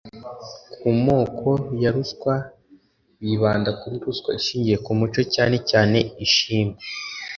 Ku moko ya ruswa bibanda kuri ruswa ishingiye ku muco cyane cyane ishimwe